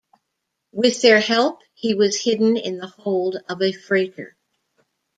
With their help he was hidden in the hold of a freighter.